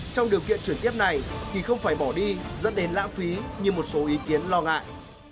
trong điều kiện chuyển tiếp này thì không phải bỏ đi dẫn đến lãng phí như một số ý kiến lo ngại